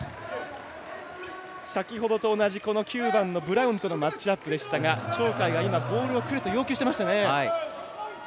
先ほどと同じ９番のブラウンとのマッチアップでしたが鳥海がボールをくれと要求していましたね。